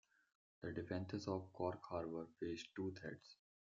The defenses of Cork Harbour faced two threats.